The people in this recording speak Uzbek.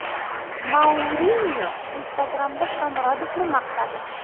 Mourinyo Instagramda Shomurodovni maqtadi